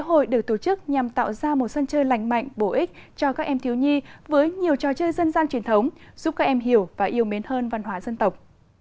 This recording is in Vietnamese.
hội được tổ chức nhằm tạo ra một sân chơi lành mạnh bổ ích cho các em thiếu nhi với nhiều trò chơi dân gian truyền thống giúp các em hiểu và yêu mến hơn văn hóa dân tộc